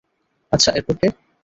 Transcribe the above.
আচ্ছা, এরপর কে?